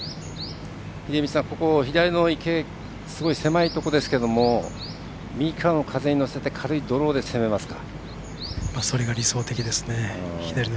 秀道さん、左の池すごい狭いところですけど右からの風に乗せて軽いドローで攻めますか？